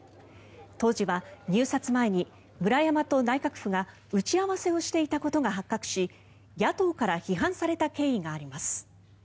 当時は入札前にムラヤマと内閣府が打ち合わせをしていたことが発覚し野党から批判された経緯があります。